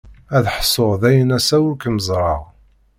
Ad ḥṣuɣ dayen assa ur kem-ẓerreɣ.